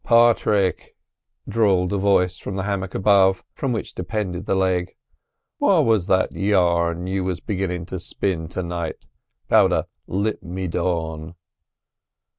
"Pawthrick," drawled a voice from the hammock above, from which depended the leg, "what was that yarn you wiz beginnin' to spin ter night 'bout a lip me dawn?"